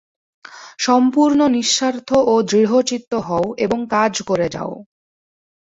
সম্পূর্ণ নিঃস্বার্থ ও দৃঢ়চিত্ত হও এবং কাজ করে যাও।